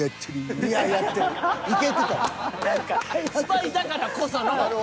スパイだからこその。